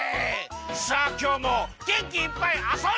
さあきょうもげんきいっぱいあそんじゃうぞ！